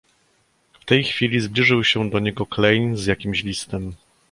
"W tej chwili zbliżył się do niego Klejn z jakimś listem."